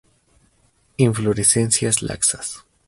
Inflorescencias laxas.